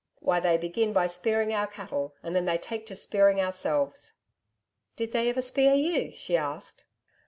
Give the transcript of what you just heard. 'Why they begin by spearing our cattle and then they take to spearing ourselves.' 'Did they ever spear you?' she asked.